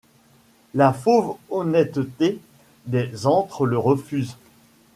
La fauve honnêteté des-antres le refuse